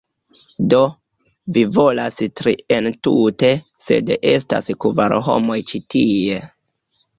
Do, vi volas tri entute, sed estas kvar homoj ĉi tie